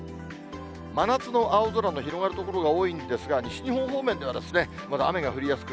真夏の青空の広がる所が多いんですが、西日本方面では、まだ雨が降りやすく、